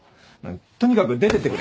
とにかく出てってくれ。